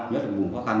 nhất là vùng khó khăn